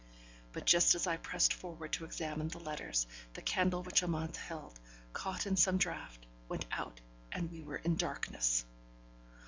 But just as I pressed forward to examine the letters, the candle which Amante held, caught in some draught, went out, and we were in darkness.